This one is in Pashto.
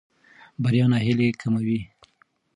بریا ناهیلي کموي.